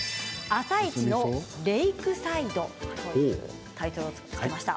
あさイチのレイクサイドというタイトルをつけました。